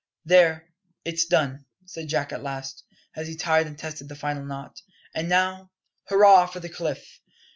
"There, it's done," said Jack at last, as he tied and tested the final knot. "And now, hurrah for the cliff!"